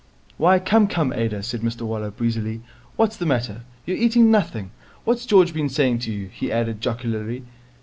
'Why, come, come, Ada,' said Mr Waller, breezily, 'what's the matter? You're eating nothing. What's George been saying to you?' he added jocularly.